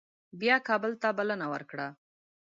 بیا کابل ته بلنه ورکړه.